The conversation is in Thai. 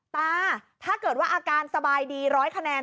ตาถ้าเกิดว่าอาการสบายดี๑๐๐คะแนน